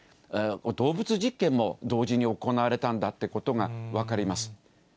動物実験も同時に行われたんだってことが分かります。